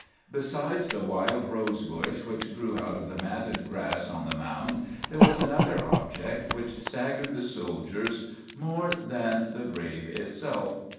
Besides the wild rose bush which grew out of the matted grass on the mound, there was another object which staggered the soldiers more than the grave itself.